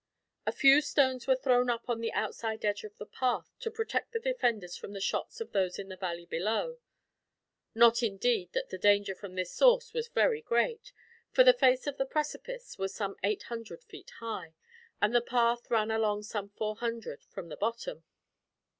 A few stones were thrown up on the outside edge of the path, to protect the defenders from the shots of those in the valley below; not indeed that the danger from this source was very great, for the face of the precipice was some eight hundred feet high, and the path ran along some four hundred from the bottom.